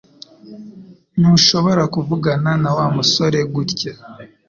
Ntushobora kuvugana na Wa musore gutya